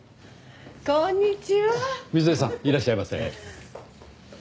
瑞枝さんいらっしゃいませ。